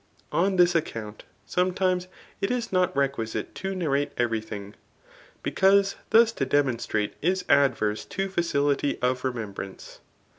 On this account, sometimes it is not requisite to narrate every thing, because thus to demonstrate is adverse to facility of remembrance.